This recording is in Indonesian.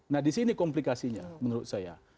nah disini komplikasinya menurut saya